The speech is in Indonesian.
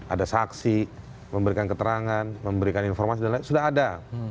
ada saksi memberikan keterangan memberikan informasi dan lain sudah ada